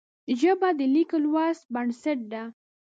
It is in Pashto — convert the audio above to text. ژبه د لیک لوست بنسټ ده